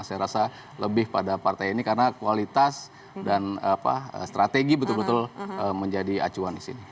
saya rasa lebih pada partai ini karena kualitas dan strategi betul betul menjadi acuan di sini